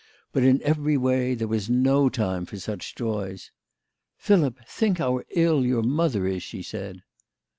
But, in every way, there was no time for such joys. "Philip, think how ill your mother is," she said.